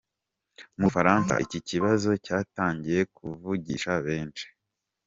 Mu Bufaransa iki kibazo cyatangiye kuvugisha benshi.